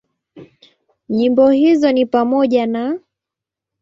Nyimbo hizo ni pamoja na;